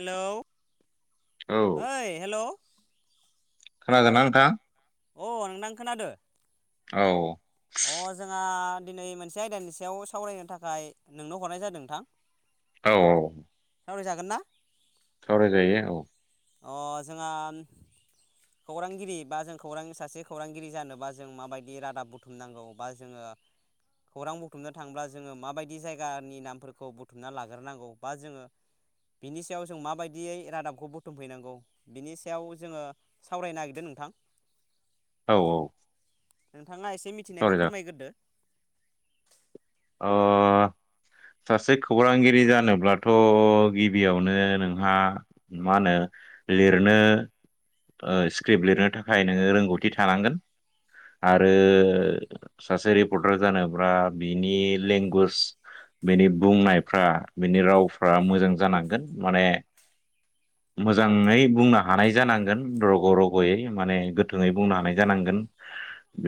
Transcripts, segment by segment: Hello औ ओइ हेल' खोनादोना नोंथां। अ नोंथां खोनादो। औ। अ जोंहा दिनै मोनसे आयदानि सायाव सावरायनो थाखाय नोंनो हरनाय जादों नोंथां औ औ सावरायजागोन ना सावरायजायो औ अ जोंहा खौरांगिरि बा जों खौरां सासे खौरांगिरि जानोबा जों माबायदि रादाब बुथुमनांगौ बा जोङो खौरां बुथुमनो थांब्ला जोङो माबायदि जायगानि नामफोरखौ बुथुमना लाग्रोनांगौ बा जोङो बिनि सायाव जों माबायदियै रादाबखौ बुथुमफैनांगौ बिनि सायाव जोङो सावराय नागिरदो नोंथां औ औ। नोंथाङा एसे मिथिनायखौ सावरायजागोन फोरमायग्रोदो। अ। [unintelligible] सासे खौरांगिरि जानोब्लाथ' गिबियावनो नोंहा मा होनो लिरनो ओ स्क्रिप्ट लिरनो थाखाय नोङो रोंगौथि थानांगोन आरो सासे रिपर्टार जानोब्ला बिनि लेंगुस बिनि बुंनायफ्रा बिनि रावफ्रा मोजां जानांगोन माने मोजाङै बुंनो हानाय जानांगोन। रग' रग'यै माने गोथोै बुंनो हानाय जानांगोन।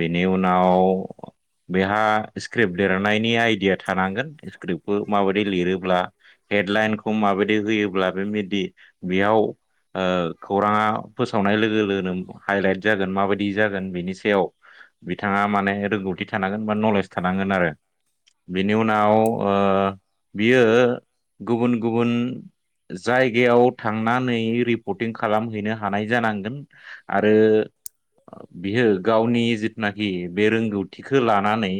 बेनि उनाव बेहा स्क्रिप्ट लिरनायनि आइडिया थानांगोन स्क्रिप्टखौ माबायदि लिरोब्ला हेडलाइनखौ माबायदि होयोब्ला बेबायदि बेयाव ओ खौराङा फोसावनाय लोगो लोगोनो हाइलाइट जागोन माबायदि जागोन बेनि सायाव बिथाङा माने रोंगौथि थानांगोन बा नलेज थानांगोन आरो। बिनि उनाव ओ बियो गुबुन गुबुन जायगायाव थांनानै रिपर्टिं खालामहैनो हा हानाय जानांगोन आरो बियो गावनि जिथुनाखि बे रोंगौथिखौ लानानै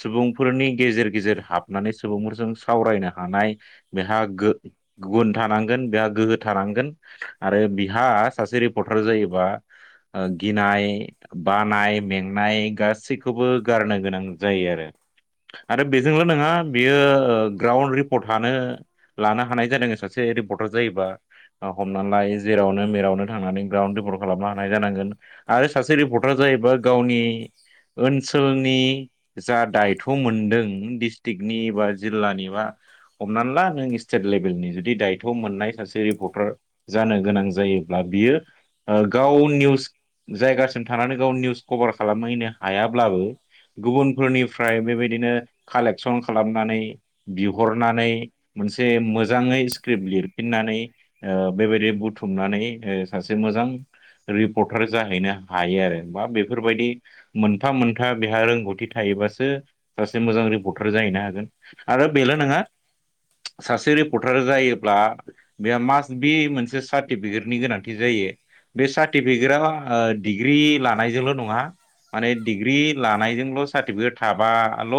सुबुंफोरनि गेजेर गेजेर हाबनानै सुबुंफोरजों सावरायनो हानाय बेहा गो गुन थानांगोन बेहा गोहो थानांगोन आरो बिहा सासे रिपर्टार जायोबा ओ गिनाय बानाय मेंनाय गासैखौबो बो गारनो गोनां जायो आरो। आरो बेजोंल' नङा बियो ग्राउन्ड रिपर्ट हानो लानो हानाय जादों सासे बियो रिपर्टार जायोबा ओ हमनानै लायो जेरावनो मेरावनो थांननानै ग्राउ रिपर्ट खालामनो हानाय जानांगोन आरो सासे रिपर्टार जायोबा गावनि ओनसोलनि जा दायथ' मोनदों डिस्ट्रिक्टनि बा जिल्लानि बा हमनानै ला नों स्टेट लेभेलनि जुदि दायथ' मोननाय सासे रिपर्टार जानो गोनां जायो ब्ला बियो ओ गाव निउस जायगासिम थानानै गाव निउस कभार खालामहैनो हायाब्लाबो गुबुनफोरनिफ्राय बेबायदिनो कालेकसन खालामनानै बिहरनानै मोनसे मोजाङै स्क्रिप्ट लिरफिननानै ओ बेबायदि बुथुमनानै ओ सासे मोजां रिपर्टार जाहैनो हायो आरो बा बेफोरबायदि मोनफा मोनथा बेहा रोंगौथि थायोबासो सासे मोजां रिपर्टार जाहैनो हागोन आरो बेल' नङा। [inaudible] सासे रिपर्टार जायोब्ला बेयो मास्ट बि मोनसे सार्टिफिकेट नि गोनांथि जायो बे सार्टिफिकेटआ ओ डिग्रि लानायजोंल' नङा माने डिग्रि लानायजोंल' सार्टिफिकेट थाबाल'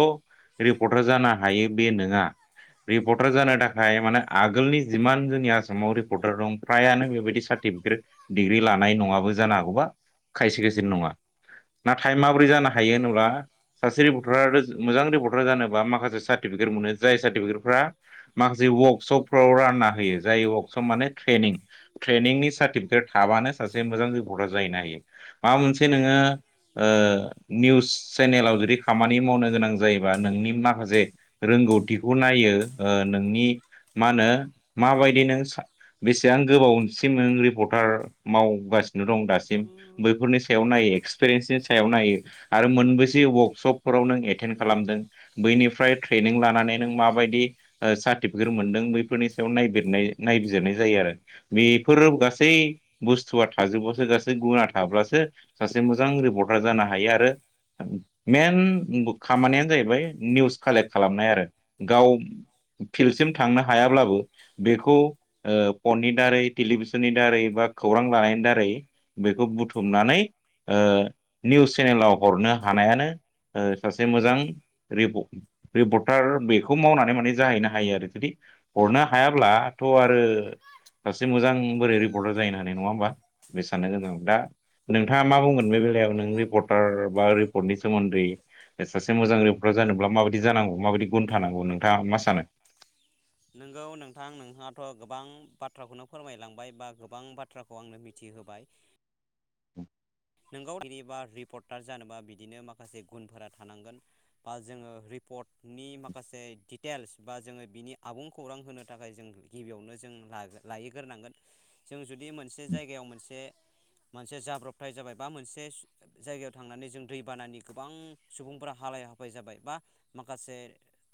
रिपर्टार जानो हायो बे नोङा रिपर्टार जानो थाखाय माने आगोलनि जिमान जोंनि आसामाव रिपर्टार दं फ्रायानो बेबायदि सार्टिफिकेट डिग्रि लानाय नङाबो जानो हागौबा खायसे खायसे नङा नाथाय माबोरै जानो हायो होनोब्ला सासे रिपर्टार मोजां रिपर्टार जानोबा माखासे सार्टिफिक मोन जाय सार्टिफिकेटफ्रा माखासे वार्कशपफ्राव रानना होयो जाय वार्कशप माने ट्रेनिं ट्रेनिंनि सार्टिफिकेट थाबानो सासे मोजां रिपर्टआ जाहैनो हायो माबा मोनसे नोङो ओ निउस चेनेलाव जुदि खामानि मावनो गोनां जायोबा नोंनि माखासे रों गौथिखौ नायो ओ नोंनि मा होनो माबायदि नों बेसेबां गोबाव सिम नों रिपर्टार मावगासिनो दं दासिम बैफोरनि सायाव नायो। एक्सपिरियेन्सनि सायाव नायो आरो मोनबैसे वर्कशपफोराव नों एटेन्ड खालामदों बैनिफ्राय ट्रेनिं लानानै नों माबायदि ओ सार्टिफिकेट मोनदों बैफोरनि सायाव नायबिर नायबिजिरनाय जायो आरो। बेफोरो गासै बुस्थुआ थाजोबब्लासो गासै गुना थाब्लासो सासे मोजां रिपर्ट र्टार जानो हायो आरो मेन खामानियानो जाहैबाय निउस कालेक्ट खालामनाय आरो गाव फिल्डसिम थांनो हायाब्लाबो बेखौ ओ फननि दारै टेलिभिसननि दारै बा खौरां लानायनि दारै बेखौ बुथुमनानै ओ निउस चेनेलाव हरनो हानायानो ओ सासे मोजां रिप रिपर्टार बेखौ मावनानै माने जाहैनो हायो आरो जुदि हरनो हायाब्लाथ' आरो सासे मोजां बोरै रिपर्टार जाहैनो हानो नङा होमबा बे साननो गोनां दा नोंथाङा मा बुंगोन बे बेलायाव नों रिपर्टार बा रिपर्टनि सोमोन्दै सासे मोजां रिपर्टार जानोब्ला माबायदि जानांगौ माबायदि गुन थानांगौ नोंथांङा मा सानो? [inaudible] नोंगौ नोंथां नोंथांङाथ' गोबां बाथ्राखौनो फोरमायलांबाय बा गोबां बाथ्राखौ आंनो मिथि। होबाय। [unintelligible] नोंगौ रिबार रिपर्टार जानोबा बिदिनो माखासे गुनफोरा थानांगोन बा जोङो रिप। पटनि माखासे दिटेल्स बा जोङो बिनि आबुं खौरां होनो थाखाय जों गिबियावनो जों। लायग्रोनांगोन जों जुदि मोनसे जायगायाव मोनसे मोनसे जाब्रब। थाय जाबाय बा मोनसे जायगायाव थांनानै जों दैबानानि गोबां सुबुंफोरा हालाय हाफाय जाबाय बा। माखासे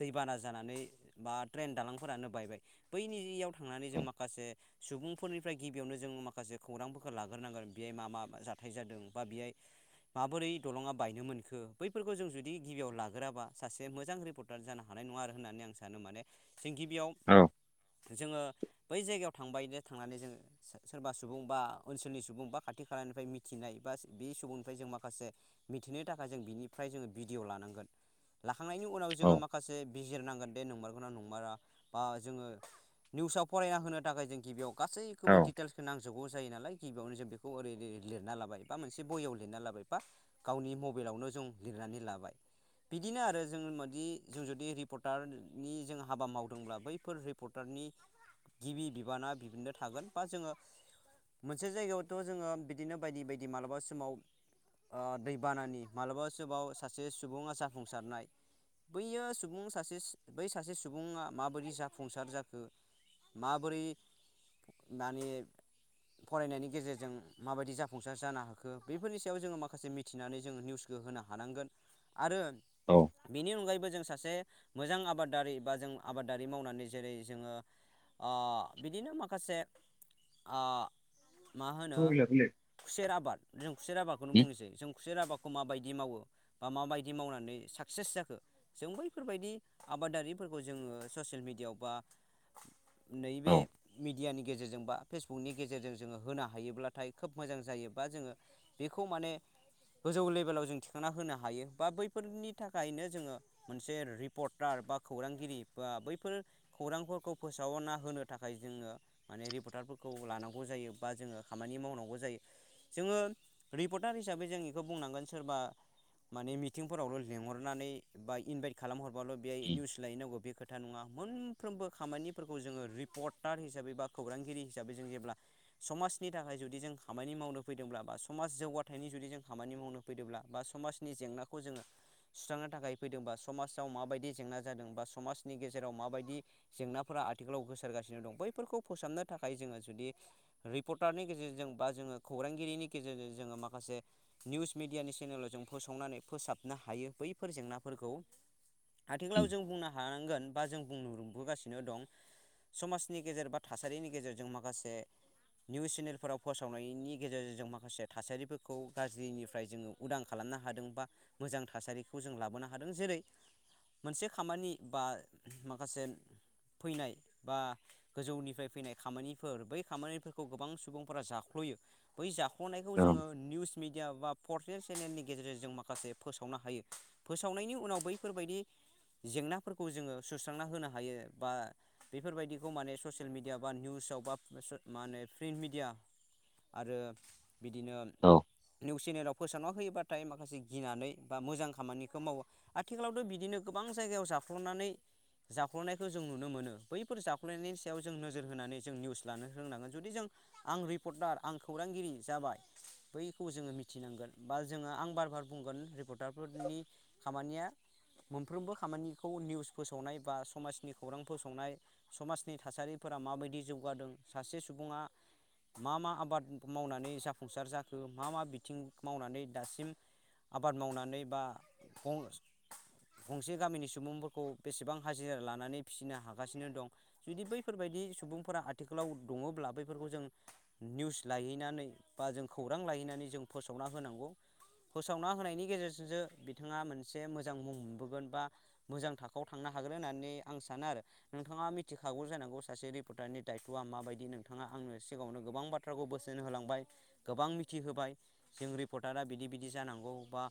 दैबाना जानानै बा ट्रेन दालांफोरानो बायबाय बैनियाव। थांनानै जों औ माखासे। सुबुंफोरनिफ्राय गिबियावनो जों माखासे खौरांफोरखौ लाग्रोनांगोन बेहाय मा मा जा। थाय जादों बा बेहाय। माबोरै दलङा बायनो मोनखो बैफोरखौ जों जुदि गिबियाव लाग्रोआबा सासे मोजां रिपर्टार जानो हानाय। नाय नङा आरो होननानै आं सानो माने जों गिबियाव औ जोङो। बै जायगायाव थांबायनो थांनानै जोङो सोरबा सुबुं बा ओनसोलनि सुबुं बा खाथि खालानिफ्राय मिथि। थिनाय बा बे सुबुंनिफ्राय जों माखासे मिथिनो थाखाय जों बिनिफ्राय जोङो भिडिय' लानांगोन। लाखांनायनि उनाव औ जोङो माखासे बिजिरनांगोन दे नोंमारगोनना नंमारा बा जोङो निउसाव फरायना होनो थाखाय जों गिबियाव औ गासैखौबो डिटेल्सखौ नांजोबगौ जायो नालाय गिबियावनो जों बेखौ ओरैै लिरना लाबाय बा मोनसे बहियाव लिरना लाबाय बा गावनि मबाइलावनो जों लिरनानै लाबाय बिदिनो आरो जों मदि जों जुदि रिपर्टारनि जों हाबा मावदोंब्ला बैफोर रिपर्टार नि गिबि बिबाना बिदिनो थागोन बा जोङो मोनसे जायगायावथ' जोङो बिदिनो बायदि बायदि मालाबा समाव ओ दैबानानि माबलाबा समाव सासे सुबुङा जाफुंसारनाय बैयो सुबुं सासे बै सासे सुबुङा माबोरै जाफुंसार जाखो माबोरै माने फरायनायनि गेजेरजों माबायदि जाफुंसार जानो हाखो बेफोरनि सायाव जोङो माखासे मिथिनानै जोङो निउसखौ होनो हानांगोन आरो औ बेनि अनगायैबो जों सासे मोजां आबादारि बा जों आबादारि मावनानै जेरै जोङो ओ बिदिनो माखासे ओ मा होनो खुसेर आबाद जों खुसेर आबादखौनो बुंनोसै जों खुसेर आबाद माबायदि मावो बा मााबायदि मावनानै साकसेस जाखो जों बैफोरबायदि आबादारि जोङो ससियेल मिडियायाव बा नैबे मिडियानि गेजेरजों बा फेसबुकनि गेजेरजों जोङो होनो हायोब्ला नाथाय खोब मोजां जायो बा जोङो बेखौ माने गोजौ लेभेलाव जों थिखांना होनो हायो बा बैफोरनि थाखायनो जोङो मोनसे रिपर्टार बा खौरांगिरि बा बैफोर खौरांफोरखौ फोसावना होनो थाखाय जोङो माने रिपर्टार फोरखौ लानांगौ जायो बा जोङो खामानि मावनांगौ जायो जोङो रिपर्टार हिसाबै जों बेखौ बुंनांगोन सोरबा माने मिथिंफोरावल' लिंहरनानै बा इनभाइट खालामहरबाल' बे निउस लायनांगौ बे खोथा नङा मोनफ्रोमबो खामानिफोरखौ जोङो रिपर्टार हिसाबै बा खौरांगिरि हिसाबै जों जेब्ला समाज नि थाखाय जुदि जों खामानि मावनो फैदोंब्ला बा समाज जौगाथायनि जुदि जों खामानि मावनो फैदोंब्ला बा समाजनि जेंनाखौ जोङो सुस्रांनो थाखाय फैदोंबा समाजाव माबायदि जेंना जादों बा समाजनि गेजेराव माबायदि जेंनाफोरा आथिखालाव गोसारगासिनो दं बैफोरखौ फोसाबनो थाखाय जोङो जुदि रि पर्टारनि गेजेरजों बा जोङो खौरांगिरिनि गेजेरजों जोङो माखासे निउस मिडियानि चेनेलाव जों फस संनानै फोसाबनो हायो बैफोर जेंनाफोरखौ आथिखालाव जों बुंनो हानांगोन बा जों बुंनो नुबोगासिनो दं समाजनि गेजेर बा थासारिनि गेजेरजों माखासे निउस चेनेलफोराव फोसावनायनि गेजेरजों जों माखासे थासारिफोरखौ गाज्रिनिफ्राय जोङो उदां खालामना हादों बा मोजां थासारिखौ जों लाबोनो हादों जेरै मोनसे खामानि बा माखासे फैनाय बा गोजौनिफ्राय फैनाय खामानिफोर बै खामानि खौ गोबां सुबुंफोरा जाख्ल'यो बै जाख्ल'नायखौ जोंङो निउस मिडिया बा पर्टेल चेनेलनि गेजेरजों जों माखासे फोसावनो हायो फोसावनायनि उनाव बैफोरबायदि जेंनाफोरखौ जोंङो सुस्रांना होनो हायो बा बेफोरबायदिखौ माने ससियेल मिडिया बा निउस आवबा मा होनो प्रिन्ट मिेडिया आरो बिदिनो निउस चेनेलाव फोसावना होयोबा नाथाय माखासे गिनानै बा मोजां खामानिखौ मावो आथिखालावथ' बिदिनो गोबां जायगायाव जाखल'नानै जाख्ल'नायखौ जों नुनो मोनो बैफोर जाख्ल'नायनि सायाव जों नोजोर होनानै जों निउस लानो रोंनांगोन। जुदि जों आं रिपर्टार आं खौरांगिरि जाबाय बैखौ जोंङो मिथिनांगोन बा जोंङो आं बार बार बुंगोन रिपर्टारफोरनि खामानिया मोनफ्रोमबो खामानिखौ निउस फोसावनाय बा समाजनि खौरां फोसावनाय समाजनि थासारि रिफोरा माबायदि जौगादों सासे सुबुंङा मा मा आबाद मावनानै जाफुंसार जाखो मा मा बिथिं मावनानै दासिम आबाद मावनानै बा मस गंसे गामिनि सुबुंफोरखौ बेसेबां हाजिरा लानानै फिसिनो हागासिनो दं जुदि बैफोरबायदि सुबुंफोरा आथिखालाव दंङब्ला बेफोरखौ जों निउस लायहैनानै बा जों खौरां लाायहैनानै जों फोसावना होनांगौ। फोसावना होनायनि गेजेरजोंसो बिथांङा मोनसे मोजां मुं मोनबोगोन बा मोजां थाखोआव थांनो हागोन। हाग्रो होननानै आं सानो आरो नोंथांङा मिथिखागौ जांगौ सासे रिपर्टारनि दायथ'आ माबायदि नोंथांङा आंनो सिगांङावनो गोबां बाथ्राखौ बोसोन होलांबाय गोबां मिथि होबाय जों रिपर्टारा दा बिदि बिदि जानांगौ बा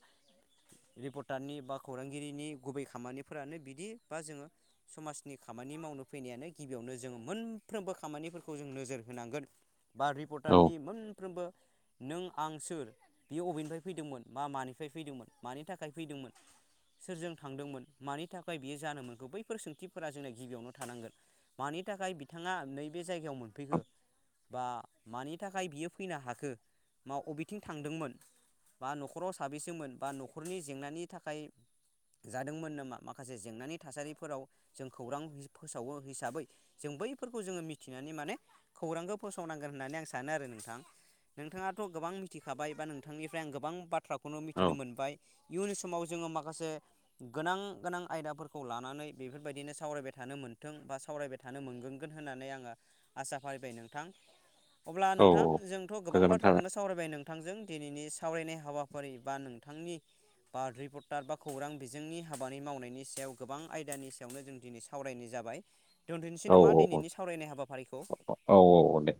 रिपर्टारनि बा खौरांगिरिनि गुबै खामानिफोरानो बिदि बा जोंङो समाजनि खामानि मावनो फैनायानो गिबियावनो जोंङो मोनफ्रोमबो खामानिफोरखौ खौ जों नोजोर होनांगोन बा औ रिपर्टारनि मोनफ्रोमबो नों आं सोर बे अबेनिफ्राय फैदोंमोन मा मानिफ्राय फैदोंमोन मानि थाखाय फैदोंमोन। सोरजों थांदोंमोन मानि थाखाय बियो जानो मोनखो बैफोर सोंथिफोरा जोंना गिबियावनो थानांगोन मानि थाखाय बिथांङा नैबे जायगायाव मोनफैखो बा मानि थाखाय बियो फैनो हाखो मा अबेथिं थांदोंमोन बा न'खराव साबैसोमोन बा न'खरनि जेंनानि थाखाय जादोंमोन नामा माखासे जेंनानि थासारिफोराव जों खौरां फोसावो हिसाबै जों बैफोरखौ जोंङो मिथिनानै माने खौरांखौ फोसावनांगोन होननानै आं सानो आरो नोंथां नोंथांङाथ' गोबां मिथिखाबाय बा नोंथांनिफ्राय आं गोबां बाथ्राखौनो मिथिनो मोनबाय इयुन समाव जोंङो माखासे गोनां गोनां आयदाफोरखौ लानानै बेफोरबायदिनो सावरायबाय थानो मोन्थों बा सावरायबाय थानो मोनगोनांगोन होननानै आंङो आचसा फारिबाय नोंथां अब्ला नोंथां औ जोंथ' गोबां गोजोननाय थाबाय बाथ्राखौनो सावरायबाय नोंथांजों दिनैनि सावरायनाय हाबाफारि बा नोंथांनि बा रिपर्टार बा खौरां बिजोंनि हाबानि मावनायनि सायाव गोबां आयदानि सायावनो जों दिनै सावरायनाय जाब जाब दोनथनोसै औ नामा दिनैनि सावरायनाय हाबा औ औ औ दे